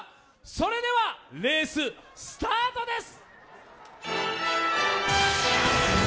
それではレース、スタートです！